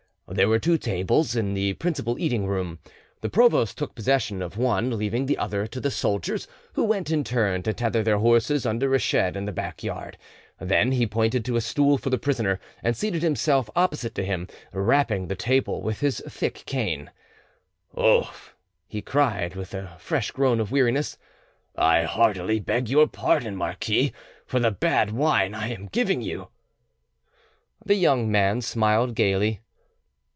There were two tables in the principal eating room. The provost took possession of one, leaving the other to the soldiers, who went in turn to tether their horses under a shed in the back yard; then he pointed to a stool for the prisoner, and seated himself opposite to him, rapping the table with his thick cane. "Ouf!" he cried, with a fresh groan of weariness, "I heartily beg your pardon, marquis, for the bad wine I am giving you!" The young man smiled gaily.